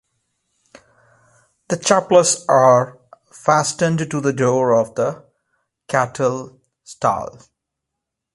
The chaplets are fastened to the door of the cattle-stall.